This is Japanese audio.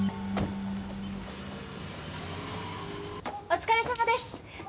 お疲れさまです！